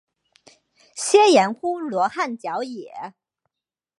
曷言乎罗汉脚也？